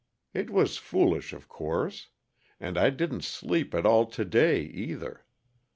It was foolish, of course. And I didn't sleep at all to day, either.